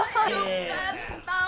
よかったわ。